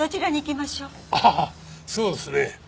ああそうですね。